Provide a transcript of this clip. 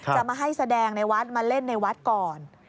จะมาให้แสดงในวัดมาเล่นในวัดก่อน